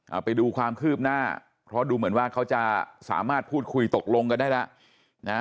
เอาไปดูความคืบหน้าเพราะดูเหมือนว่าเขาจะสามารถพูดคุยตกลงกันได้แล้วนะฮะ